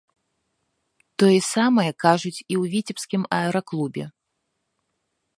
Тое самае кажуць і ў віцебскім аэраклубе.